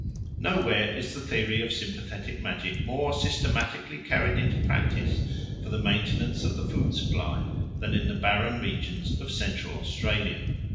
Nowhere is the theory of sympathetic magic more systematically carried into practice for the maintenance of the food supply than in the barren regions of Central Australia.